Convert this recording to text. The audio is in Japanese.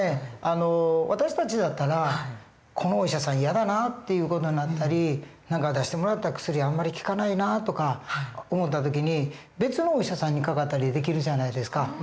私たちだったら「このお医者さん嫌だな」っていう事になったり「何か出してもらった薬あんまり効かないな」とか思った時に別のお医者さんにかかったりできるじゃないですか。